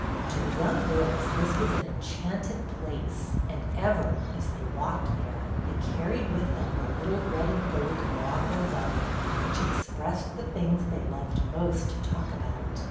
To the young girls this was an enchanted place, and ever, as they walked there, they carried with them the little red and gold morocco volume which expressed the things they loved most to talk about.